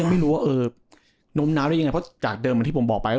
ไม่รู้ว่าเออน้มน้ำได้ยังไงเพราะจากเดิมเหมือนที่ผมบอกไปว่า